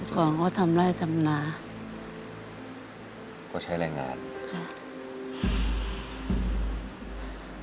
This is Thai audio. ก่อนก็ทำไรทำหนาก็ใช้แรงงานค่ะ